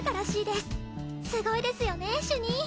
すごいですよね主任！